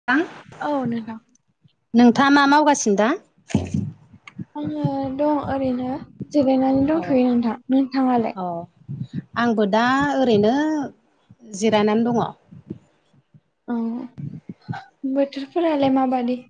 [unintelligible] औ नोंथां। नोंथाङा मा मावगासिनो दा? आङो दं ओरैनो जेरानानै अ दंथ'यो नोंथां नोंथाङालाय? औ आंबो दा ओरैनो जिरायनानै दङ'। औ बोथोरफोरालाय माबादि?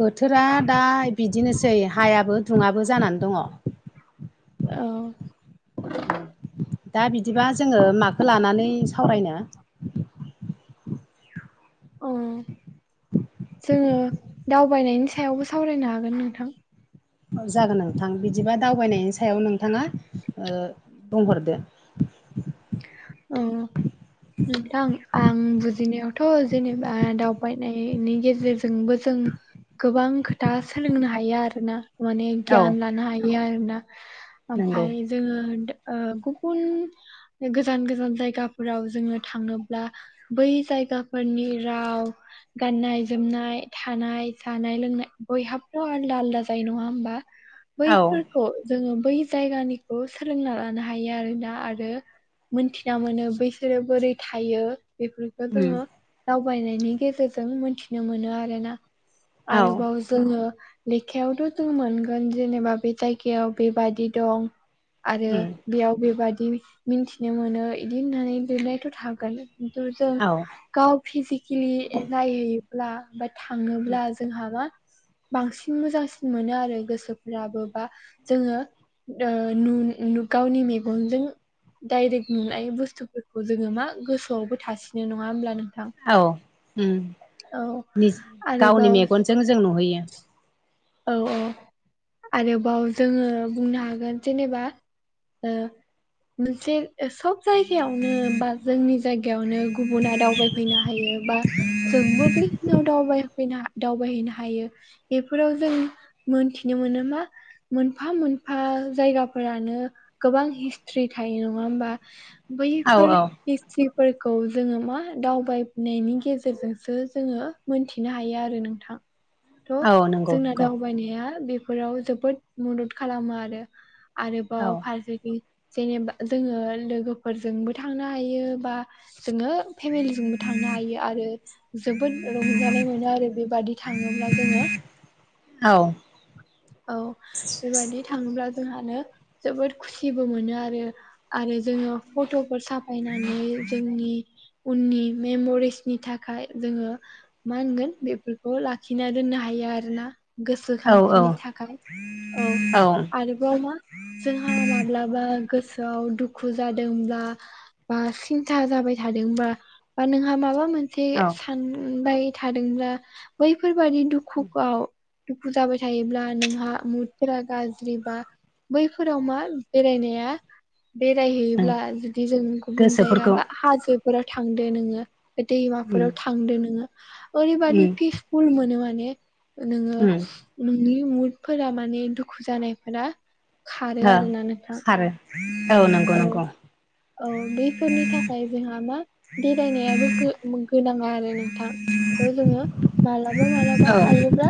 बोथोरा दा बिदिनोसै हायाबो दुङाबो जानानै दङ'। औ [unintelligible] दा बिदिबा जोङो माखौ लानानै सावरायनो? अ जोङो दावबायनायनि सायावबो सावरायनो हागोन नोंथां। जागोन नोंथां बिदिबा दावबायनायनि सायाव नोंथाङा ओ बुंहरदो। औ। नोंथां आं बुजिनायावथ' जेनेबा दावबायनायनि गेजेरजोंबो जों गोबां खोथा सोलोंनो हायो आरोना। माने औ गियान लानो हायो आरोना नंगौ ओमफाय जोङो ओ गुबुन गोजान-गोजान जायगाफोराव जोङो थाङोब्ला बै जायगाफोरनि राव गाननाय-जोमनाय थानाय जानाय-लोंनाय बयहाबथ' आलदा आलदा जायो नङा होमबा? औ बैफोरखौ जोङो बै जायगानिखौ सोलोंना लानो हायो आरोना आरो मोनथिना मोनो बैसोरो बोरै थायो बेफोरखौ उम जोङो दावबायनायनि गेजेरजों मिथिनो मोनो आरो ना औ आरोबाव [unintelligible] जोङो लेखायावथ' जों मोनगोन जेनेबा बे जायगायाव बेबादि दं आरो उम बेयाव बेबादि मिन्थिनो मोनो बिदि होननानै लिरनायथ' थागोन। खिन्तु जों औ गाव फिजिकेलि नायहैयोब्ला बा थाङोब्ला जोंहा मा बांसिन मोजांसिन मोनो आरो गोसोफ्राबो बा जोङो ओ [unintelligible] गावनि मेगनजों डाइरेक्ट नुनाय बुस्थुफोरखौ जोङो मा गोसोआवबो थासिनो नङा होमब्ला नोंथां? औ उम औ नि गावनि आरोबाव मेगनजों जों नुहैयो। औ औ आरोबाव जोङो बुंनो हागोन जेनेबा ओ [inaudible] मोनसे सब जायगायावनो बा जोंनि जायगायावनो गुबुना दावबाय फैनो हायो बा जोंबो बे खिनाव दावबाय दावबायहैनो हायो बेफोराव जों मोनथिनो मोनो मा मोनफा मोनफा जायगाफोरानो गोबां हिसथ्रि थायो नङा ओमबा औ बैफोर औ हिसथ्रिफोरखौ जोङो मा दावबायनायनि गेजेरजोंसो जोङो मोनथिनो हायो आरो नोंथां। [inaudible] थ' नंगौ जोंना नंगौ दावबायनाया बे फोराव जोबोद मदद खालामो आरो आरोबाव औ फारसेथिं जेनेबा जोङो लोगोफोरजोंबो थांनो हायो बा जोङो फेमिलिजोंबो थांनो हायो आरो। जोबोद रंजानाय मोनो आरो बेबादि थाङोब्ला जोङो। औ औ बेबादि थाङोब्ला जोंहानो जोबोद खुसिबो मोनो आरो आरो जोङो फट'फोर साब फायनानै जोंनि उननि मेमरिसनि थाखाय जोङो मा होनगोन बेफोरखौ लाखिना दोननो हायो आरो। आरोना औ गोसोखांथिनि थाखाय औ आरोबाव मा जोंहा माब्लाबा गोसोआव दुखु जादोंब्ला बा सिन्था जाबाय थादोंबा बा नोंहा माबा मोन से औ सानबाय थादोंब्ला बैफोरबादि दुखु आव दुखु जाबाय थायोब्ला नोंहा मुदफोरा गाज्रि बा बैफोराव मा बेरायनाया बेराय उम हैयोब्ला जुदि जों गुबुन जायगा गोसोफोरखौ बा हाजोफोराव थांदो नोङो उम दैमाफोराव थांदो नोङो ओरैबादि उम पिसफुल मोनो माने नोङो उम नोंनि मुदफोरा माने दुखु जानायफोरा खारो आरोना नोंथां। आरो औ नंगौ नंगौ। औ बेफोरनि थाखाय जोंहा मा बेरायनायाबो गो गोनांङा आरो नोंथां। बेखौ जोङो मालाबा-मालाबा औ हायोब्ला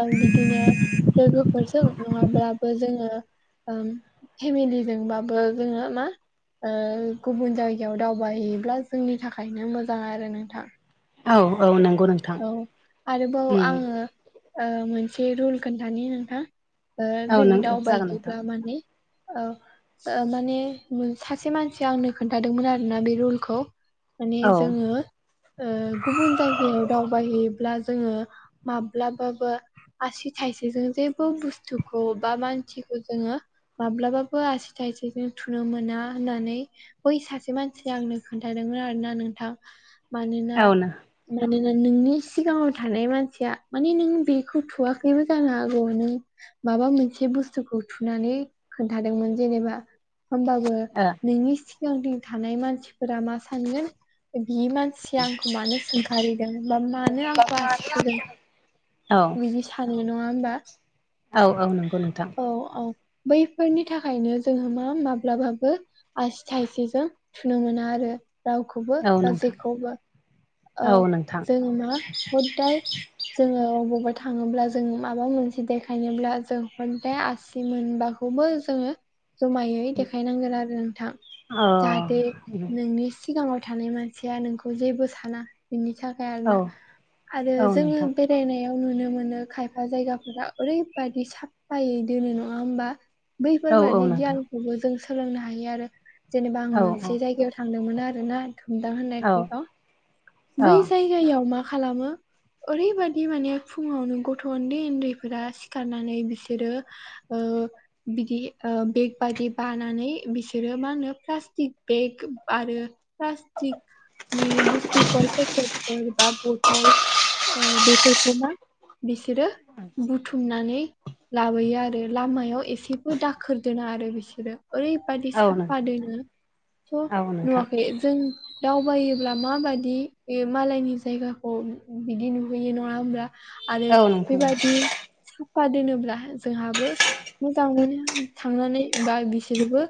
ओं बिदिनो लोगोफोरजों नङाब्लाबो जोङो ओम फेमिलिजोंबाबो जोङो मा ओ गुबुन जायगायाव दावबायहैयोब्ला जोंनि थाखायनो मोजां आरो नोंथां‌। औ औ नंगौ नों औ आरोबाव आंङो ओ मोनसे रुल खोन्थानि नोंथां। ओ औ नों जोंङो जागोन नोंथां दावबायहैब्ला माने औ ओ माने सासे मानसिया आंनो खोन्थादोंमोन आरोना बे रुलखौ माने औ जोङो ओ गुबुन जायगायाव दावबायहैयोब्ला जोङो माब्लाबाबो आसि थाइसेजों जेबो बुस्थुखौ बा मानसिखौ जोङो माब्लाबाबो आसि थाइसेजों थुनो मोना होननानै बै सा से मानसिया आंनो खोन्थादोंमोन आरोना। नोंथां मानोना औ नो मानोना नोंनि सिगांङाव थानाय मानसिया माने नों बेखौ थुवाखैबो जानो हागौ नों माबा मोनसे बुस्थुखौ थुनानै खोन्थादोंमोन जेनेबा होमबाबो ओ नोंनि सिगांथिं थानाय मानसिफोरा मा सानगोन बि मानसिया आंखौ मानो सोंखारिदों बा मानो आंखौ आसि थुदों। औ बिदि सानो नङा होमबा? औ औ नंगौ नोंथां। औ औ। बैफोरनि थाखायनो जोंहा मा माब्लाबाबो आसि थाइसेजों थुनो मोना आरो रावखौबो औ बा नोंथां जेखौबो। औ जों मा हदाय जोङो बबावबा थाङोब्ला जों माबा मोनसे देखायनोब्ला जों हदाय आसि मोनबा खौबो जोङो जमायै देखायनांगोन आरो नोंथां अ जाहाथे नोंनिस सिगाङाव थानाय मानसिया नोंखौ जेबो साना बेनि था औ आरोना आरो औ जोङो नोंथां बे बेरायनायाव नुनो मोनो खायफा जायगाफोरा ओरैबादि साफायै दोनो नङा होमबा? औ औ बैफोरबादि नोंथां गियानखौबो जों सोलोंनो हायो आरो। जेनेबा आं औ मोनसे जायगायाव थांदोंमोन आरो ना थुमदां होननाय औ पिकआव बै जायगायाव मा खालामो ओरैबादि माने फुङावनो गथ' ओन्दै ओन्दैफोरा सिखारनानै बिसोरो ओ बिदि ओ बेग बादि बानानै बिसोरो मा होनो प्लास्टिक बेग आरो प्लास्टिक नि बुस्थु पर पेकेटफोर बा बथल बेफोरखौ मा बिसोरो बुथुमनानै लाबोयो आरो लामायाव एसेबो दाखोर दोना आरो बिसोरो ओरैबादि औ नोंथां औ नोंथां औ साफा नोंथां दोनो थ' औ औ नुवाखै जों दावबायोब्ला माबादि मालायनि जायगाखौ बिदि नुहैयो नङा होमब्ला? आरो बेबादि साफा दोनोब्ला जोंहाबो मोजां मोनो थांनानै बा बिसोरबो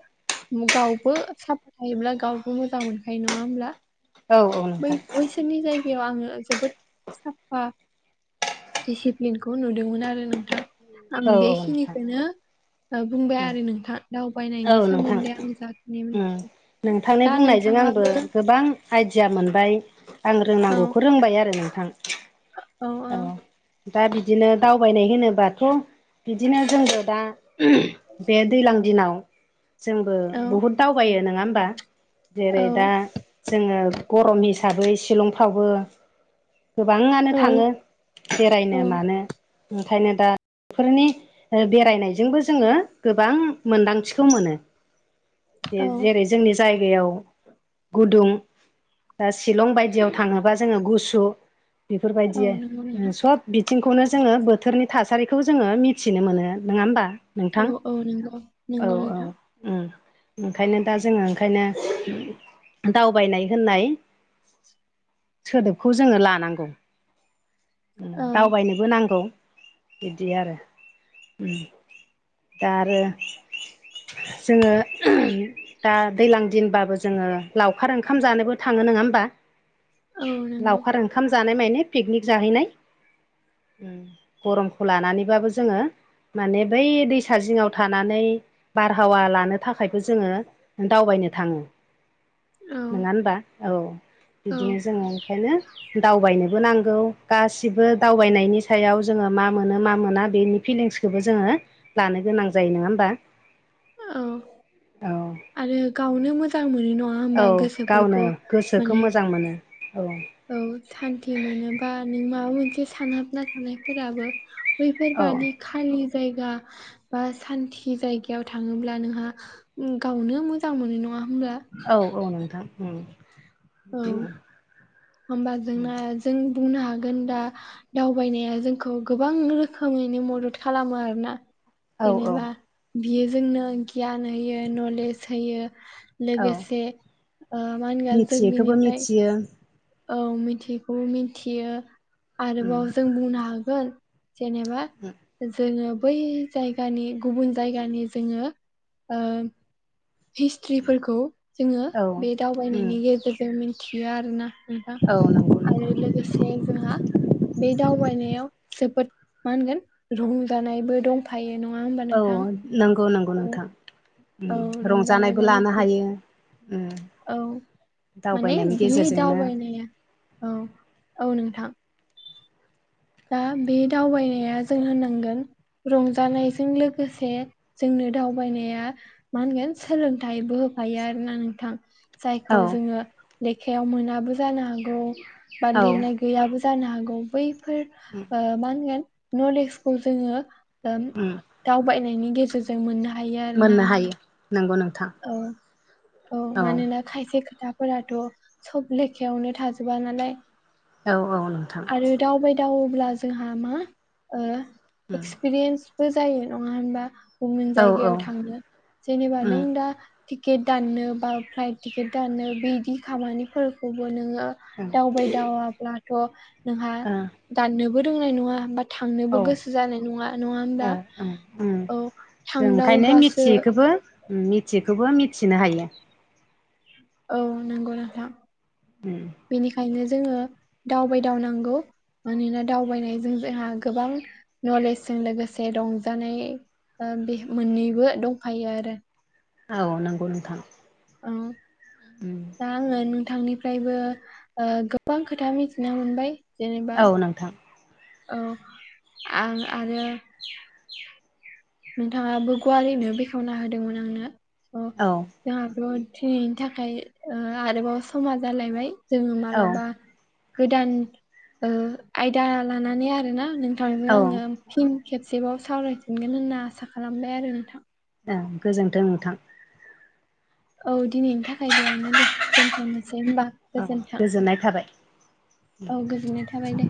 गावबो साफा थायोब्ला गावबो मोजां मोनखायो नङा होमब्ला? औ औ बै नोंथां। बैसोरनि जायगायाव आङो जोबोद साफा दिसिप्लिनखौ नुदोंमोन आरो नोंथां आं औ औ नोंथां बेखिनिखौनो बुंबाय आरो औ नोंथां दावबायनायनि नोंथां सोमोन्दै आं जाखिनि उम मिथियो। नोंथांनि दा बुंनायजों आंबो नोंथाङाबो गोबां आइडिया मोनबाय आं औ रोंनांगौखौ रोंबाय आरो नोंथां औ। दा बिदिनो दावबायनाय होनोबाथ' बिदिनो जोंबो दा बे दैलां दिनाव जोंबो औ बहुद दावबायो नङा होमबा? जेरै दा जोङो गरम हिसाबै शिलंफ्रावबो गोबाङानो औ थाङो औ बेरायनो मानो ओंखायनो दा फोरनि बेरायनायजोंबो जोङो गोबां मोनदांथिखौ मोनो। बे औ जेरै जोंनि जायगायाव गुदुं बा शिलं बायदियाव थाङोबा जोङो गुसु औ बेफोरबायदि नंगौ नोंथां सब बिथिंखौनो जोङो बोथोरनि थासारिखौ जोङो मिथिनो मोनो नोङा होमबा? औ नोंथां औ नंगौ औ नंगौ औ नोंथां। उम ओंखायनो दा जोङो ओंखायनो दावबायनाय होननाय सोदोबखौ जोङो लानांगौ उम औ दावबायनोबो नांगौ। बिदि आरो उम दा आरो जोङो दा दैलां दिनबाबो जोङो लावखार ओंखाम जानोबो थाङो नङा होमबा औ नंगौ लावखार ओं खाम जानाय माने पिकनिक जाहैनाय उम। गरमखौ लानानैबाबो जोंङो माने बै दैसा जि़ङाव थानानै बारहावा लानो थाखायबो जोङो दावबायनो थाङो औ नोंङा होनबा औ औ बिदिनो जोंङो ओंखायनो दावबायनोबो नांगौ गासिबो दावबायनायनि सायाव जोंङो मा मोनो मा मोना बेनि फिलिंसखौबो जोंङो लानो गोनां जायो नोंङा होमबा औ औ आरो गावनो मोजां मोनो न औ गावनो गोसोखौ मोजां मोनो औ औ सान्थि मोनोबा नों माबा मोनसे सानहाबना थानायफोराबो औ बैफोरबादि खालि जायगा बा सान्ति जायगायाव थांङोब्ला नोंहा गावनो मोजां मोनो नङा होमब्ला औ औ नोंथां ओम औ बिदिनो होमबा जोंना जों बुंनो हागोन दा दावबायनाया जोंखौ गोबां रोखोमैनो मदद खालामो आरोना औ औ जेनेबा बियो जोंनो गियान होयो नलेज होयो औ लोगोसे मा होनगोन जों मिथियैखौबो बिनिफ्राय मिथियो औ मिथिगौ मिथियो उम आरोबाव जों बुंनो हागोन जेनेबा जोंङो बै जायगानि गुबुन जायगानि जोङो ओ हिस्ट्रिफोरखौ जोङो औ बे उम दावबायनायनि गेजेरजों मिथियो आरोना बा औ नंगौ आरो नंगौ लोगोसे जोंहा बे दावबायनायाव जोबोद मा होनगोन रंजानायबो दं फायो नङा होमबा औ नोंथां नंगौ नंगौ औ नोंथां औ रंजानायबो लानो मिथियो हायो औ माने दावबायनायनि बे गेजेरजोंनो दावबायनाया औ औ नोंथां दा बे दावबायनाया जों होननांगोन रंजानायजों लोगोसे जोंनो दावबायनाया मा होनगोन सोलोंथाइबो होफायो आरोना नोंथां जायखौ औ जोङो लेखायाव मोनाबो जानो हागौ बा औ लिरनाय गैयाबो जानो हागौ बैफोर उम ओ मा होनगोन नलेजखौ जोङो उम दावबायनायनि गेजेर जों मोननो हायो आरोना मोननो हायो नंगौ नोंथां औ औ मानोना खायसे खोथाफोराथ' सब लेखायावनो थाजोबा नालाय औ औ नोंथां दावबाय दावोब्ला जोंहा मा उम एक्सपिरियेन्स बो जायो नङा हबा गुबुन औ जायगायाव थांनो जेनेबा उम नों दा टिकेट दाननो बा फ्लाइट टिकेट दानोनो बिदि खामानिफोरखौबो नोङो उम दावबाय दावाब्लाथ' नोंहा ओ दाननोबो रोंनाय नङा बाथ औ ओ थांनोबो गोसो जानाय नङा नङा होमबा उम उम औ थांदावबासो जों मिथियिखोबो मिथिनो हायो औ नंगौ नोंथां उम बेनिखायनो जोङो दावबायदावनांगौ मानोना दावबायनायजों जोंहा गोबां नलेजजों लोगोसे रंजानाय बे मोननैबो दंफायो आरो औ नंगौ नोंथां। उम। उम दा आङो नोंथांनिफ्रायबो ओ गोबां खोथा मिथिनो मोनबाय जेनेबा औ नोंथां औ आं आरो नोंथाङाबो गुवारैनो बेखेवना होदोंमोन आंनो। अ औ। जोंहाथ' दिनैनि थाखाय आरोबाव समा जालायबाय। जोङो मालाबा गोदान ओ आयदा लानानै आरोना नों थांनो औ औ आङो फिन खेबसेबाव सावरायफिनगोन होनना आसा खालामबाय आरो नोंथां। ओं गोजोन्थों नोंथां। औ दिनैनि थाखाय बेयावनो दे दोनथ'नोसै होनबा। औ गोजोननाय थाबाय। औ गोजोननाय थाबाय दे।